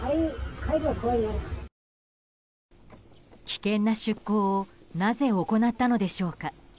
危険な出航をなぜ行ったのでしょうか。